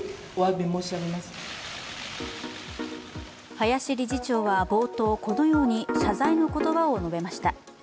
林理事長は冒頭、このように謝罪の言葉を述べました。